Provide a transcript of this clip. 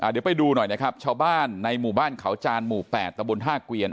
เดี๋ยวไปดูหน่อยนะครับชาวบ้านในหมู่บ้านเขาจานหมู่๘ตะบนท่าเกวียน